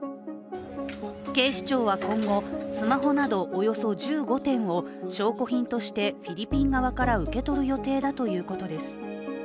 警視庁は今後、スマホなどおよそ１５点を証拠品としてフィリピン側から受け取る予定だということです。